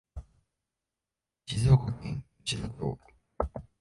静岡県吉田町